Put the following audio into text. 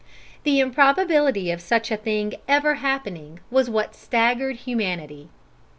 The improbability of such a thing ever happening was what staggered humanity.